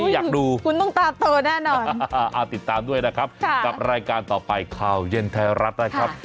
อยากดูคุณต้องตาโตแน่นอนติดตามด้วยนะครับกับรายการต่อไปข่าวเย็นไทยรัฐนะครับ